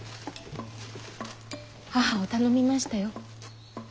母を頼みましたよ。